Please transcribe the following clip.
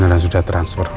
dia beneran sudah transfer